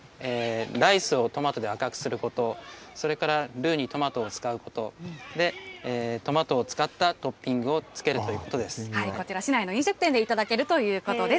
ライスをトマトで赤くすること、それからルウにトマトを使うこと、トマトを使ったトッピングをつけこちら、市内の飲食店でいただけるということです。